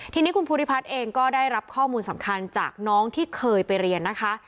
ทีนี้คุณภูริพัฒน์เองก็ได้รับข้อมูลสำคัญจากน้องที่เคยไปเรียนนะคะ